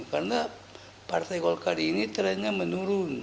karena partai golkar ini trennya menurun